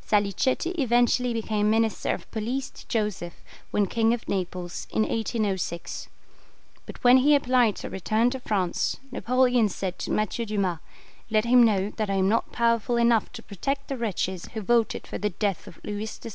Salicetti eventually became Minister of Police to Joseph, when King of Naples, in 1806; but when he applied to return to France, Napoleon said to Mathieu Dumas, "Let him know that I am not powerful enough to protect the wretches who voted for the death of Louis XVI.